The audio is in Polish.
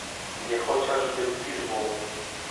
Nie chociażby Birmą